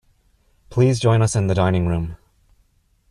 Please join us in the dining room.